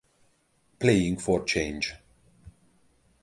Playing for Change